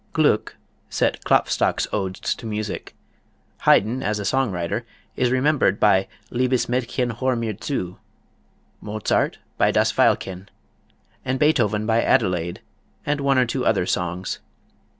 Gluck set Klopfstock's odes to music; Haydn as a song writer is remembered by "Liebes Mädchen hör' mir Zu"; Mozart by "Das Veilchen"; and Beethoven by "Adelaide" and one or two other songs.